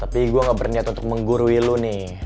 tapi gue gak berniat untuk menggurui lu nih